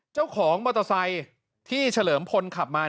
เจ้าของมอเตอร์ไซค์ที่เฉลิมพลขับมา